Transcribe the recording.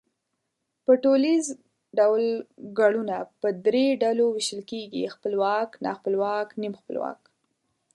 په ټوليز ډول گړونه په درې ډلو وېشل کېږي، خپلواک، ناخپلواک، نیم خپلواک